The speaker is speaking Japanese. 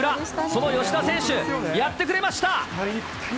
その吉田選手、やってくれました。